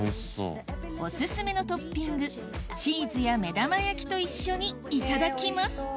オススメのトッピングチーズや目玉焼きと一緒にいただきます